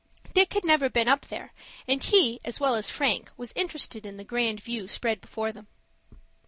Dick had never before been up there, and he, as well as Frank, was interested in the grand view spread before them.